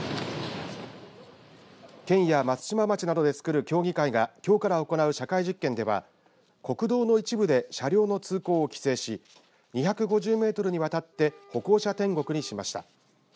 県や松島町などでつくる協議会がきょうから行う社会実験では国道の一部で車両の通行を規制し２５０メートルにわたって歩行者天国にしました。